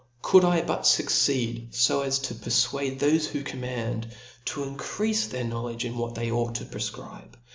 , Could I butfucceed fo as to pcrfuade thofe who command, to increafe their kpowle^ge in what they ought to prefcribe.